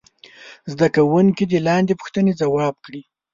زده کوونکي دې لاندې پوښتنې ځواب کړي.